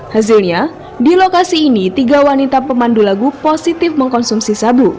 hasilnya di lokasi ini tiga wanita pemandu lagu positif mengkonsumsi sabu